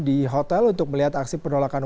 di hotel untuk melihat aksi penolakan